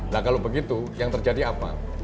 nah kalau begitu yang terjadi apa